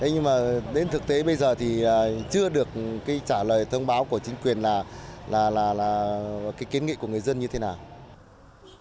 nhưng mà đến thực tế bây giờ thì chưa được trả lời thông báo của chính quyền là cái kiến nghị của người dân như thế nào